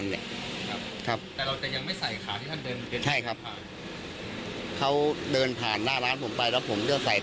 นี่นะคะ